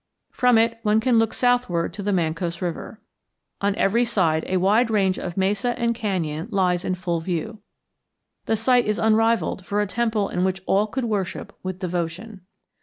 From it, one can look southward to the Mancos River. On every side a wide range of mesa and canyon lies in full view. The site is unrivalled for a temple in which all could worship with devotion.